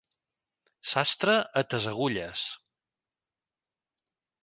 Sastre, a tes agulles.